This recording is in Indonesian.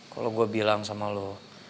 kalau gua bilang sama lu